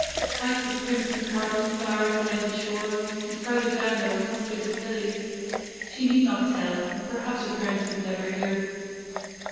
Spikes of crimson cardinal flowers lined the shore, and farther down there were clusters of lilies. She need not tell, and perhaps her parents would never hear.